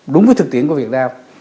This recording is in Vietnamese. đúng với thực tiễn của việt nam